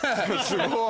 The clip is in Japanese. すごい。